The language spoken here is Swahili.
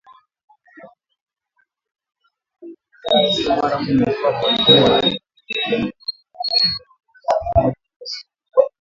Na mwaka uliofuata, elfu moja mia tisa sitini na saba, Idhaa ya Kiswahili ya Sauti ya Amerika ilizindua matangazo ya moja kwa moja kutoka studio